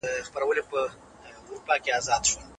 لیکوال د ماشومانو تعلیم یادوي.